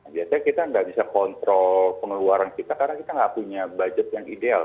biasanya kita nggak bisa kontrol pengeluaran kita karena kita nggak punya budget yang ideal